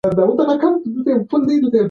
انګلیسي لهجه په پښتو کې ښکاري.